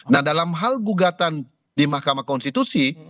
nah dalam hal gugatan di mahkamah konstitusi